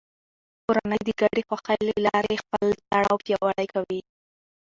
کورنۍ د ګډې خوښۍ له لارې خپل تړاو پیاوړی کوي